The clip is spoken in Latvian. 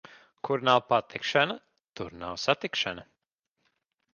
Kur nav patikšana, tur nav satikšana.